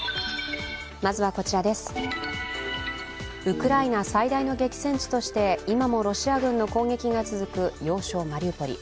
ウクライナ最大の激戦地として今もロシア軍の攻撃が続く要衝マリウポリ。